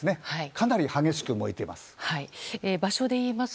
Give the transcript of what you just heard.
かなり激しく燃えています。